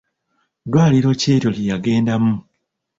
Ddwaliro ki eryo lye yagendamu?